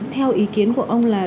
theo ý kiến của ông là